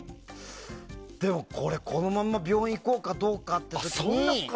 でもこれ、このまま病院行こうかどうかって。